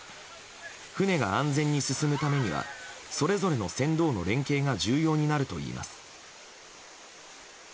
船が安全に進むためにはそれぞれの船頭の連係が重要になるといいます。